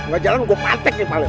gua jalan gua pantik nih paling